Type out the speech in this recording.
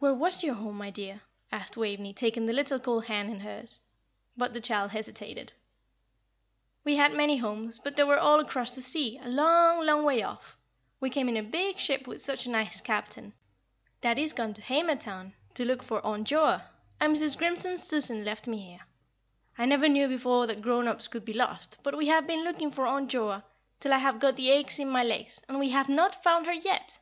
"Where was your home, my dear!" asked Waveney, taking the little cold hand in hers; but the child hesitated. "We had many homes, but they were all across the sea, a long, long way off. We came in a big ship, with such a nice captain. Daddie's gone to Hamerton to look for Aunt Joa, and Mrs. Grimson's Susan left me here. I never knew before that grown ups could be lost, but we have been looking for Aunt Joa, till I have got the aches in my legs, and we have not found her yet!"